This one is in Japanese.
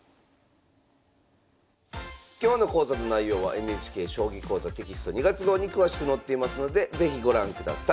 今日の講座の内容はＮＨＫ「将棋講座」テキスト２月号に詳しく載っていますので是非ご覧ください。